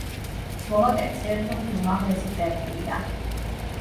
სლოვაკეთის ერთ-ერთი უმაღლესი წერტილია.